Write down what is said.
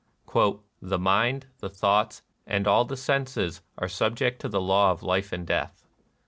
" The mind, the thoughts, and all the senses are subject to the law of life and death.